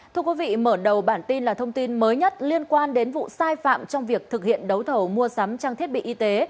thưa quý vị mở đầu bản tin là thông tin mới nhất liên quan đến vụ sai phạm trong việc thực hiện đấu thầu mua sắm trang thiết bị y tế